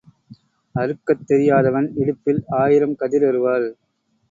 அறுக்கத் தெரியாதவன் இடுப்பில் ஆயிரம் கதிர் அரிவாள்